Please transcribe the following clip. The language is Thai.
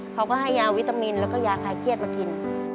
เขาก็ให้ยาวิตามินแล้วก็ยาคลายเครียดมากิน